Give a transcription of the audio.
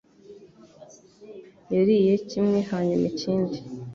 Yariye kimwe hanyuma ikindi